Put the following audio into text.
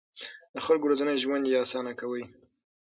د خلکو ورځنی ژوند يې اسانه کاوه.